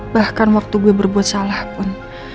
bahkan waktu gue berbuat salah pun